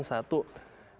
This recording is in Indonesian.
satu diusahakan limitasi